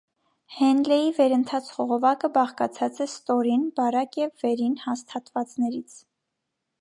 Հենլեի վերընթաց խողովակը բաղկացած է ստորին՝ բարակ և վերին՝ հաստ հատվածներից։